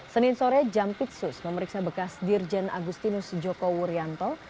senin sore jampitsus memeriksa bekas dirjen agustinus joko wuryanto